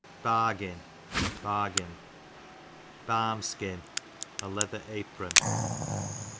Bargin, bargain. Barmskin, a leather apron.